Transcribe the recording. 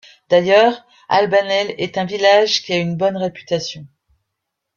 D'ailleurs, Albanel est un village qui a une bonne réputation.